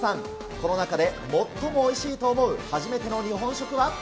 この中で最もおいしいと思う初めての日本食は？